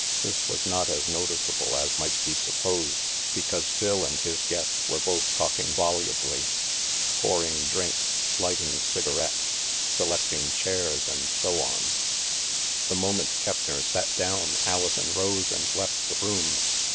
This was not as noticeable as might be supposed, because Phil and his guest were both talking volubly, pouring drinks, lighting cigarettes, selecting chairs, and so on. The moment Keppner sat down, Alison rose and left the room.